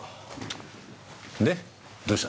でどうした？